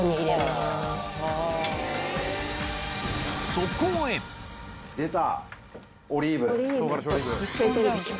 そこへ出た！